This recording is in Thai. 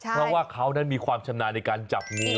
เพราะว่าเขานั้นมีความชำนาญในการจับงู